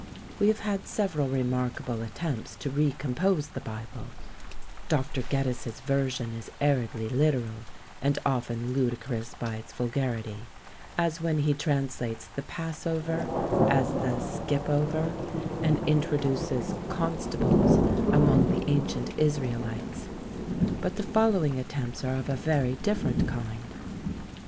We have had several remarkable attempts to recompose the Bible; Dr. Geddes's version is aridly literal, and often ludicrous by its vulgarity; as when he translates the Passover as the Skipover, and introduces Constables among the ancient Israelites; but the following attempts are of a very different kind.